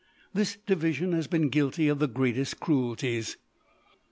This division has been guilty of the greatest cruelties.